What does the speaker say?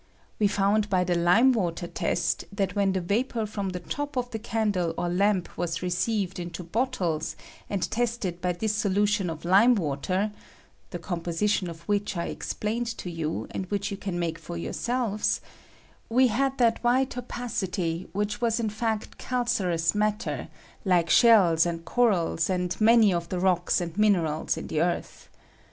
We found by the lime water test that when the vapor from the top of the candle or lamp was received into bottles and tested by this solution of lime water {the composition of which I explained to you, and which you can make for yourselves), we had that white opacity which was in fact calcareous matter, like shells and corals, and many of the Tocka and minerals in the earth.